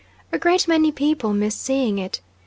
A great many people miss seeing it.